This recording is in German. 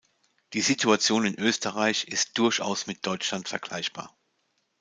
Die Situation in Österreich ist durchaus mit Deutschland vergleichbar.